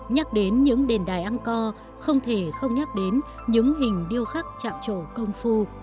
nhắc đến những đền đài angkor không thể không nhắc đến những hình điêu khắc trạm trổ công phu